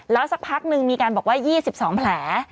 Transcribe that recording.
แล้วสักพักนึงมีการบอกว่า๒๒แผล